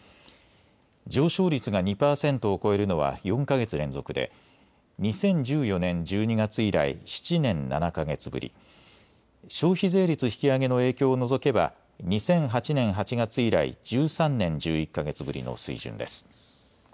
上昇率が２％を超えるのは４か月連続で２０１４年１２月以来７年７か月ぶり、消費税率引き上げの影響を除けば２００８年８月以来１３年１１か月ぶりの水準です。